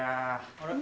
あれ？